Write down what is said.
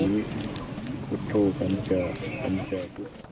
พระครูกำเจอ